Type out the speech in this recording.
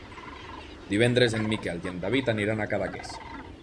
Divendres en Miquel i en David aniran a Cadaqués.